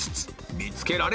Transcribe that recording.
見つけられるか？